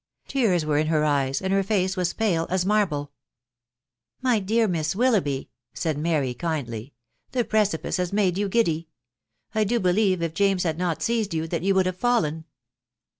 Tears were in her eyes, and her face was as pale as marble. S€ My dear Miss Willoughby I" said Mary, kindly, " the precipice has made you giddy, .... I do believe, if James had not seized you, that you would have fallen